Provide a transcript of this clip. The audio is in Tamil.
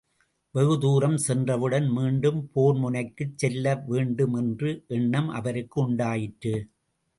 வெகு தூரம் சென்றவுடன் மீண்டும் போர் முனைக்குச் செல்லவேண்டும் என்ற எண்ணம் அவருக்கு உண்டாயிற்று.